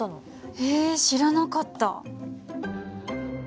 え知らなかった。